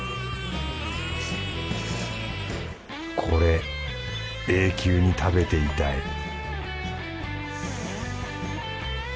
これ永久に食べていたい